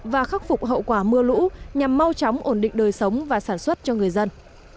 và khắc phục hậu quả mưa lũ nhằm mau chóng ổn định đời sống và sản xuất cho người dân